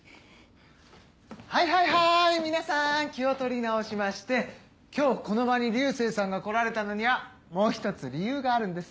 はいはいはい皆さん気を取り直しまして今日この場に流星さんが来られたのにはもう１つ理由があるんです。